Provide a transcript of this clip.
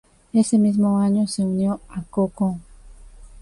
Ese mismo año se unió a CoCo.